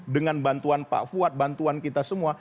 dengan bantuan pak fuad bantuan kita semua